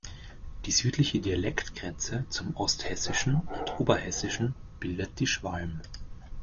Die südliche Dialektgrenze zum Osthessischen und Oberhessischen bildet die Schwalm.